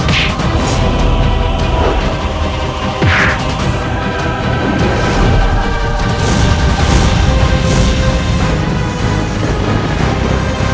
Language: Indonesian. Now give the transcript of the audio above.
kau akan menang